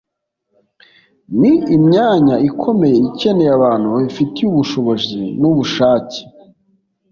ni imyanya ikomeye ikeneye abantu babifitiye ubushobozi n’ubushake